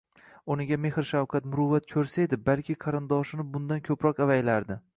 o'rniga mehr-shafqat, muruvvat ko'rsa edi, balki qarindoshini bundan ko'proq avaylardi.